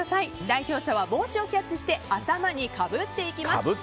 代表者は帽子をキャッチして頭にかぶっていきます。